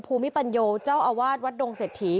ภูมิปัญโยเจ้าอาวาสวัดดงเศรษฐี